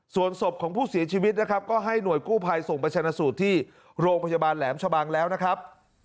ส่วนศพของผู้เสียชีวิตนะครับก็ให้หน่วยกู้ภัยส่งไปชนะสูตรที่โรงพยาบาลแหลมชะบังแล้วนะครับ